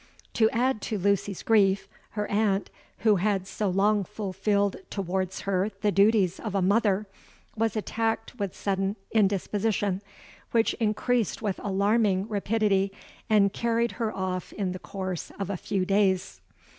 To add to Lucy's grief, her aunt, who had so long fulfilled towards her the duties of a mother, was attacked with sudden indisposition, which increased with alarming rapidity, and carried her off in the course of a few days.